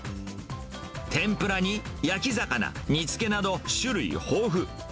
天ぷらに焼き魚、煮つけなど種類豊富。